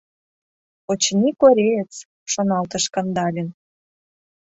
«Очыни, кореец», — шоналтыш Кандалин.